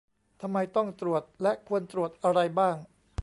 ทำไมต้องตรวจ และควรตรวจอะไรบ้าง